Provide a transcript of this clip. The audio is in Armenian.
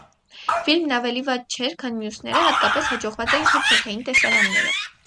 Ֆիլմն ավելի վատը չէր, քան մյուսները, հատկապես հաջողված էին հեքիաթային տեսարաները։